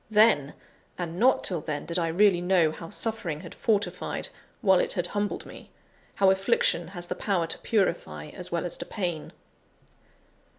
then, and not till then, did I really know how suffering had fortified, while it had humbled me; how affliction has the power to purify, as well as to pain.